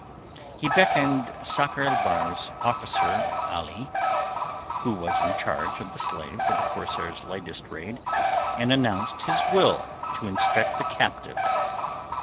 He beckoned Sakr el Bahr's officer Ali—who was in charge of the slaves of the corsair's latest raid and announced his will to inspect the captives.